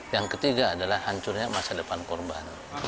yang ketiga adalah hancurnya masa depan korban